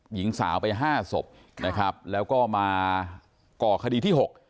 หญิงสาวไปห้าศพนะครับแล้วก็มาก่อคดีที่หก